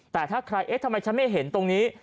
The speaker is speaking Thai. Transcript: แต่ถ้าใครเอ๊ะทำไมฉันไม่เห็นตรงนี้